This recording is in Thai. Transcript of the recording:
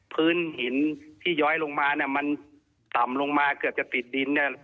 พื้นหินที่ย้อยลงมามันต่ำลงมาเกือบจะติดดิน